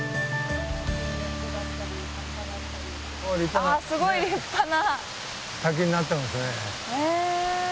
あっすごい立派な。